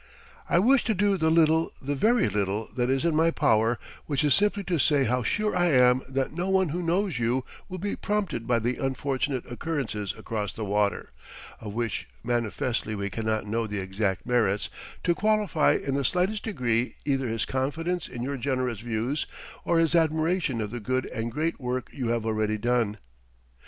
I wish to do the little, the very little, that is in my power, which is simply to say how sure I am that no one who knows you will be prompted by the unfortunate occurrences across the water (of which manifestly we cannot know the exact merits) to qualify in the slightest degree either his confidence in your generous views or his admiration of the good and great work you have already done.